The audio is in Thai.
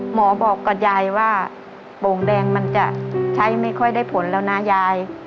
หมอบอกกับยายว่าโป่งแดงมันจะใช้ไม่ค่อยได้ผลแล้วนะยาย